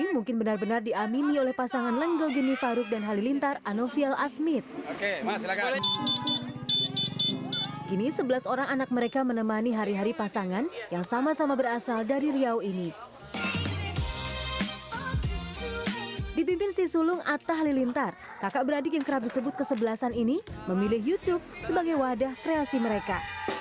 memilih youtube sebagai wadah kreasi mereka